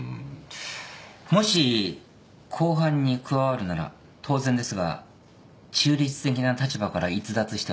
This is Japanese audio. もし公判に加わるなら当然ですが中立的な立場から逸脱してはいけませんよ。